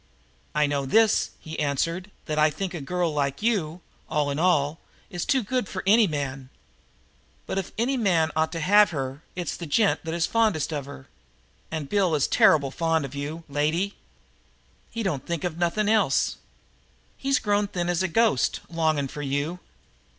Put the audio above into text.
"I know this," he answered, "that I think a girl like you, all in all, is too good for any man. But, if any man ought to have her, it's the gent that is fondest of her. And Bill is terrible fond of you, lady he don't think of nothing else. He's grown thin as a ghost, longing for you."